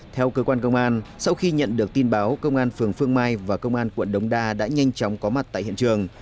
theo cơ quan công an sau khi nhận được tin báo công an phường phương mai và công an quận đống đa đã nhanh chóng có mặt tại hiện trường